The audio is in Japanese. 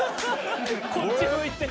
こっち向いて。